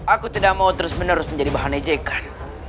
aku tidak mau terus menerus menjadi bahan ejekan